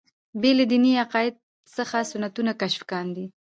بې له دیني اعتقاد څخه سنتونه کشف کاندي.